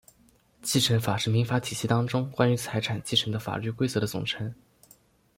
继承法是民法体系当中关于财产继承的法律规则的总称。